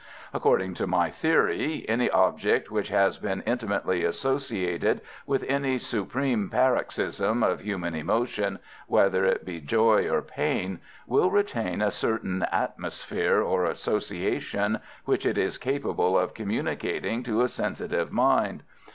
According to my theory, any object which has been intimately associated with any supreme paroxysm of human emotion, whether it be joy or pain, will retain a certain atmosphere or association which it is capable of communicating to a sensitive mind.